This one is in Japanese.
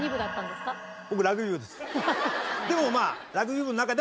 でもまあ。